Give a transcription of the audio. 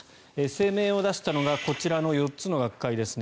声明を出したのがこちらの４つの学会です。